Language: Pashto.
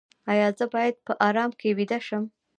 ایا زه باید په ارام کې ویده شم؟